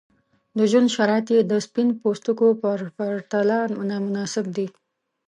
د ژوند شرایط یې د سپین پوستکو په پرتله نامناسب دي.